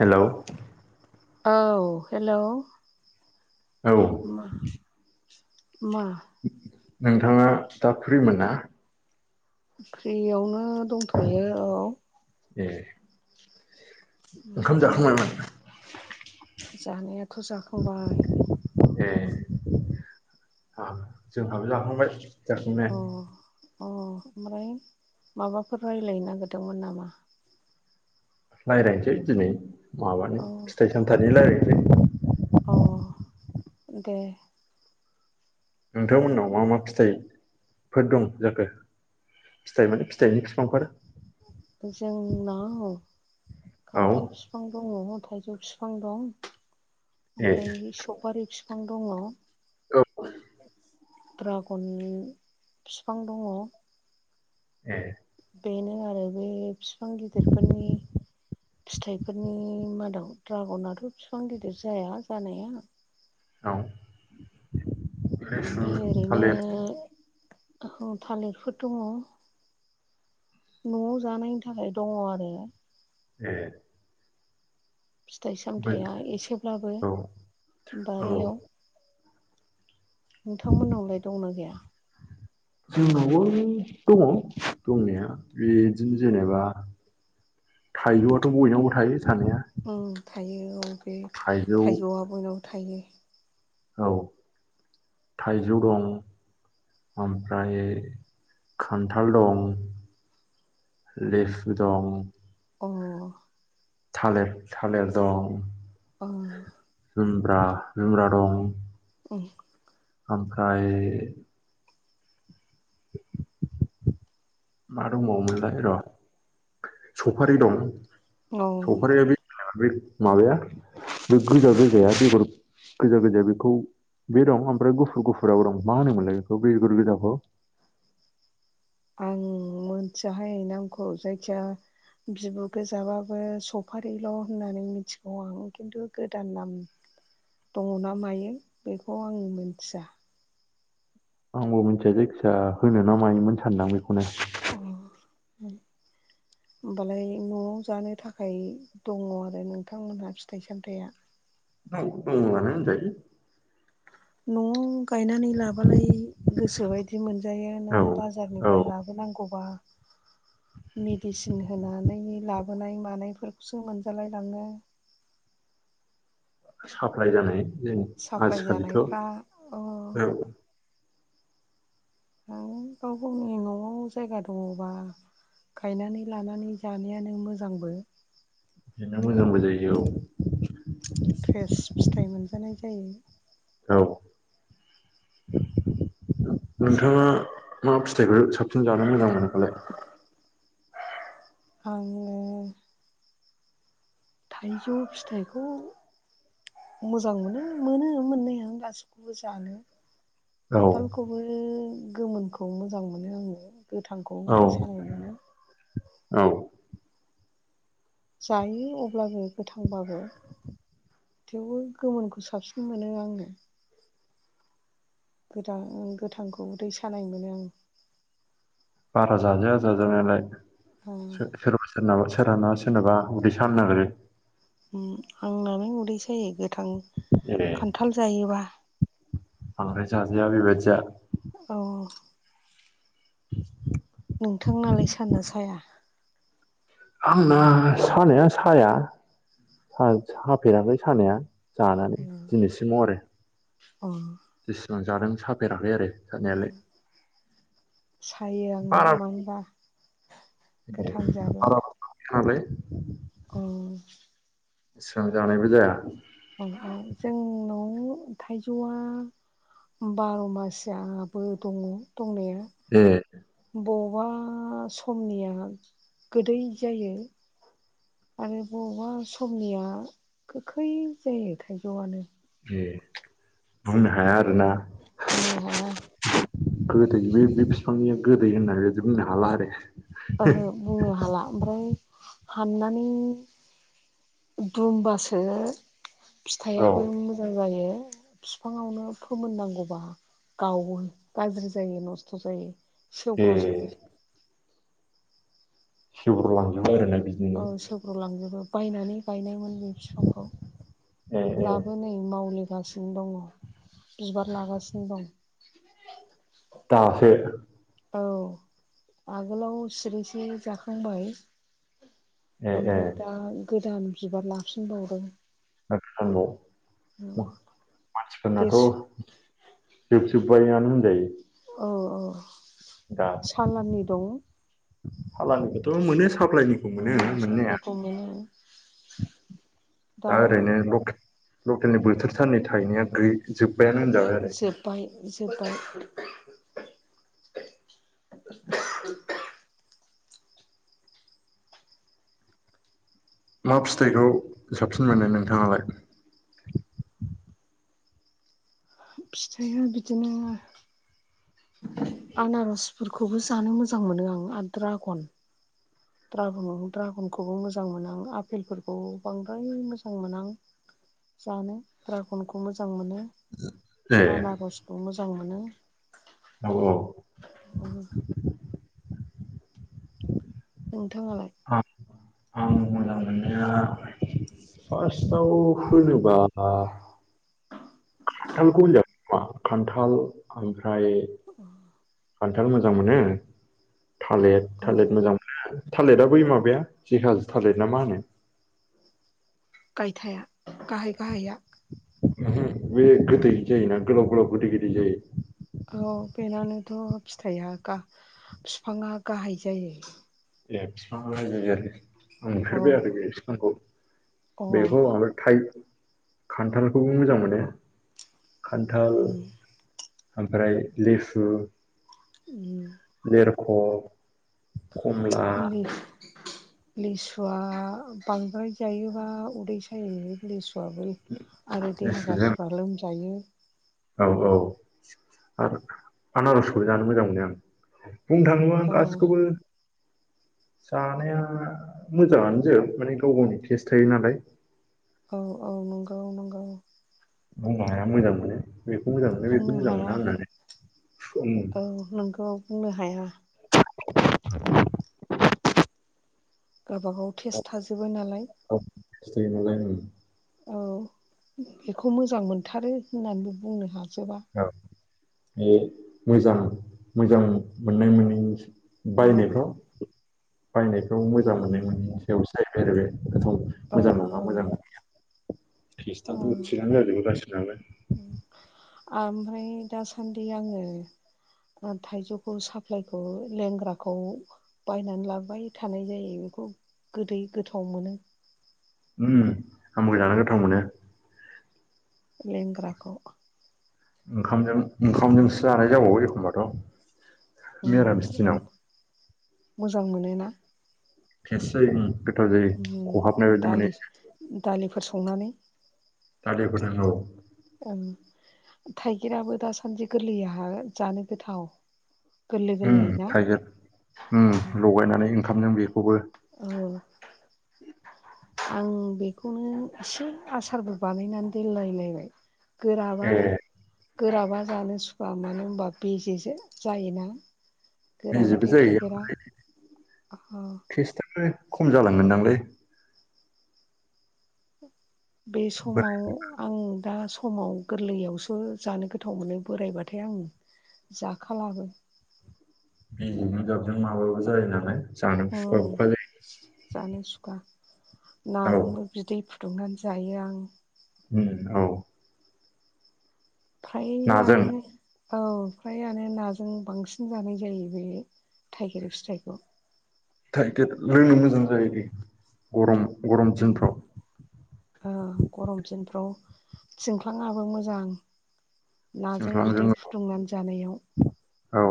हेल' औ हेल' औ मा- मा नोंथाङा दा फ्रिमोन ना? फ्रियावनो दंथ'यो औ। ए ओंखाम ओमफ्राय जाखांबायमोन? जानायाथ' जाखांबाय। ए जोंहाबो जाखांबाय। जाखांनाया अ-अ ओमफ्राय माबाफोर रायज्लायनो नागिरदोंमोन नामा? रायज्लायनोसै दिनै माबानि अ फिथाइ सामथाइनि रायज्लायनोसै। अ दे नोंथांमोननाव मा-मा फिथाइफोर दं जाखो? फिथाइ माने फिथाइनि बिफांफोर जोंनाव औ खान्थाल बि बिफां दङ थाइजौ बिफां दं ए ओमफ्राय सपारि बिफां दङ औ द्रागन बिफां दङ। ए बेनो आरो बे बिफां गिदिरफोरनि फिथाइफोरनि मादाव द्रागनाथ' बिफां गिदिर जाया जानाया औ लिसु ओमफ्राय थालिर ओरैनो थालिरफोर दङ न'आव जानायनि थाखाय दङ आरो। [inaudible] फिथाइ सामथाइया एसेब्लाबो औ औ बारियाव नोंथांमोननावलाय दंना गैया? जोंनावबो दङ दंनाया बिदिनो जेनेबा थाइजौआथ' बयनावबो थायो थानाया ओम थायो औ बे थाइजौ थाइजौआ बयनावबो थायो। औ थाइजौ दं ओमफ्राय खान्थाल दं लेसु दं अ थालिर-थालिर दं अ जुमब्रा-जुमब्रा दं ओम ओमफ्राय मा दंबावोमोनलाय र' सपारि दं औ सपारिया बे बे माबाया बे गोजा गोजाया बेगर गोजा-गोजाया बेखौ बे दं ओमफ्राय गुफुर गुफुरा दं मा होनोमोनलाय बेखौ बेगर गोजाखौ? आं मोनथियाहाय नामखौ जायखिजाया जिबाबो गोजाबाबो सपारिल' होननानै मिथिगौ आं खिन्थु गोदान नाम दङ ना मायो बेखौ आं मोन्थिया। आंबो मिथिया जायखिजाया होनो ना मायोमोन सानदों आं बेखौनो। अ उम होमबालाय न'आव जानो थाखाय दङ आरो नोंथांमोनहा फिथाइ सामथाइया ओ दङआनो होनजायो। न'आव गायनानै लाबालाय गोसोबायदि मोन मोनजायो नों औ औ बाजारनिफ्राय लाबोनांगौबा मेडिसिन होनानै लाबोनाय मानायफोरखौसो मोनजालाय लाङो साप्लााय जानाय जों साप्लाय आजिखालिथ' जानायफ्रा अ औ गाव गावनि न'आव जायगा दङबा गायनानै लानानै जानायानो मोजांबो मोजांबो जायो औ फ्रेस फिथाइ मोनजानाय जायो। औ नोंथाङा मा फिथाइखौ साबसिन जानो मोजां मोनो फालाय आङो थाइजौ फिथाइखौ मोजां मोनो मोनो मोननाय आं गासिखौबो जानो औ खान्थालखौबो गोमोनखौ मोजां मोनो आङो गोथांखौ उदै सानाय मोनो औ जायो अब्लाबो गोथांब्लाबो थेवबो गोमोनखौ साबसिन मोनो आङो गोदा गोथांखौ उदैै सानाय मोनो आं बारा जाजाया जाजानायालाय औ सोरबा सोरनाबा सोरहाबा सोरनाबा उदै स नागिरो आंनानै उदै सायो गोथां ए खान्थाल जायोबा बांद्राय जाजाया बेबायदिया औ [inaudible] नोंथांनालाय सायोना साया आंना सानाया साया साफेराखै सानाया जानानै दिनैसिमाव आरो औ जेसेबां जादों साफेराखै आरो जानायालाय सायो आंना बारा मानो होनबा गोथां [inaudible] औ एसेबां जानायबो जाया अ अ जोंनाव थाइजौआ बार' मासआबो दङ दंनाया एह बबावबा समनिया गोदै जायो आरो बबावबा समनिया गोखै जायो थाइजौआनो ए बुंनो हाया आरोना बुंनो हाया गोदै बे बिफांनिया गोदै होननानैदि बुंनो हाला आरो ओहो बुंनो हाला ओमफ्राय हानानै बुंबासो औ फिथाइयाबो मोजां जायो बिफाङावनो फोमोननांगौबा गावो गाज्रि जायो नस्थ' जायो सेवग्र'जोबो ए [inaudible] औ सेग्र'लांजोबो बायनानै गायनायमोन बे बिफांखौ ए ए दाबोनो नै मावलिगासिनो दङ बिबार लागासिनो दं दासो औ आगोलाव सिरिसे जाखांबाय ए ए ओमफ्राय दा गोदान बिबार लाफिनबावदों नब देरस मानसिफोरनाथ' जोब जोबबायानो होन जायो। औ औ सालाननि दं सालाननिखौथ' मोनो साप्लाायनि अम साप्लाय खौ मोनो। दा ओरैनो ल-लकेलनि बोथोर सानै थायनायाै जोब्बायानो होनजाबाय आरो। बाय जोबबाय [inaudible] मा फिथाइखौ साबसिन मोनो नोंथाङालाय फिथाइया बिदिनो आनारसफोरखौबो जानो मोजां मोनो आं आरो दड्रागन द्रागन दड्रागनखौबो मोजां मोना आं आफपेलफोरखौ बांद्राय मोजां मोना आं जानो दड्रागनखौ मोजां मोनो ए आनारसखौ मोजां मोनो। औ औ नोंथाङालाय आं मोजां मोननाया फार्स्टआव होनोबा खान्थालखौ होनजागोन खोमा खान्थाल ओमफ्राय खान्थाल मोजां मोनो थालिर अ थालिर मोजां थालिरा बै माबाया जेखाजो थालिर ना मा होनो। गायथाया गाहाय गाहाया अमहो बे गोदै जायोना गोलाउ गोलाउ गोदै गोदै जायो। औ बेनानोथ' फिथाइया गा बिफाङा गाहाय जायो। ए बिफाङा गाहाय जायो आरो आं औ नुफेरबाय आरो बे बिफांखौ अ उम बेखौ ओमफ्राय थाइ खान्थालखौबो मोजां मोनो। खान्थाल ओमफ्राय लिसु अम जेर'ख [unintelligible] लिसुआ बांद्राय जायोबा उदै सायो। लिसुआबो आरो देहा लेसुजों गाज्रिफ्रा लोमजायो। औ औ आरो आनारसखौ जानो मोजां मोनो आं। बुंनो थाङोबा औ गासिखौबो जानाया मोजांङानो जोब माने गाव गाव टेस थायोनालाय। औ औ नंगौ नंगौ बुंनो हाया मोजां मोनो बेखौ मोजां मोनो बुंनो बेखौ मोजां हाया मोना होननानै अम औ नोंगौ बुंनो हाया। गावबा गाव [unintelligible] औ बेखौ मोजां मोनथारो होननानैबो बुंनो हाजोबा। औ बे मोजां मोजां मोननाय मोनैनि औ बायनायफ्राव बायनाय खौ मोजां मोनो बेनि सायावसो जाहैबाय बे औ मोजां नंङि औ मोजां नंयिया टेसाथ औ थिक आनो जाजोबो गासिबनाबो ओमफ्राय दासान्दि आङो थाइजौखौ साप्लायखौ लेंग्राखौ बायनानै लाबोबाय थानाय जायो बेखौ गोदै गोथाव मोनो। अम आंबो जानो गोथाव मोनो। लेंग्राखौ ओंखामजों ओंखामजोंसो जानाय जाबावो एखमबाथ' मिरामिस दिनाव उम थेस जायो गोथाव जायो खहाबनाय बायदि मानो दालि दालिफोर संनानै दालिफोर नांगौ औ थाइगिराबो दासान्दि गोरलैहा जानो गोथाव गोरलै उम गोरलै ना थाइगिर लगायनानै ओंखाम नों बेखौबो औ आं बेखौनो एसे आसारबो बानायनानै दोनलायलायबाय गोराबा ए गोराबा जानो सुखवा मानो होनबा बेे जायोना बेजेबो गोराबाथाय जाहै थाइगिरा आ ख्रिस्टआो खम जालङोनदांलै बे बोरै समाव आं दा समाव गोरलैयावसो जानो गोथाव मोनो बोरायबाथाय आं जाखालाबो मेजिकनो गाबजों माबाबो जायो नालाय जानो अ बुखुवा बुखुवा जानो सुखा जायो औ नाजोंबो बिदै फुदुंनानै जायो आं उम औ थाय नाजों आनो औ फ्रायानो नाजों बांसिन जानाय जायो बे थाइगिर फिथाइखौ थाइगिर लोंनो मोजां जायो गरम गरम उम दिनफ्राव गरम दिनफ्राव थिंख्लाङाबो मोजां नाजों सिंख्लांजों बिदै फुदुंनानै जानायाव औ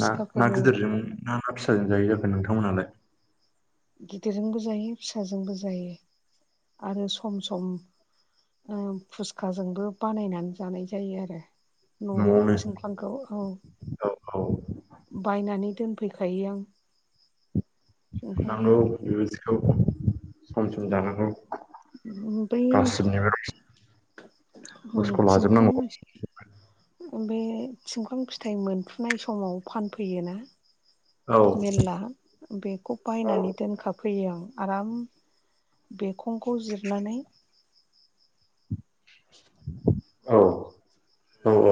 ना ना गिदिरजों ना ना फिसाजों जायो जाखो नोंथांमोनालाय गिदिरजोंबो जायो फिसाजोंबो जायो आरो सम सम फुसखाजोंबो बानायनानै जानाय जायो आरो न'आव न'आवनो थिंख्लांखौ औ औ औ बायनानै दोनफैखायो आं थिंख्लांखौ नंगौ बेबादिखौ सम सम जानांगौ बै गासिबनिबो बुसखौ लाजोबनांगौ थिंख्लां बे थिंख्लां फिथाइ मोनफ्रुनाय समाव फानफैयोना औ मेरला बेखौ बायनानै दोनखाबाय फैयो आं आराम बेखंखौ जिरनानै औ औ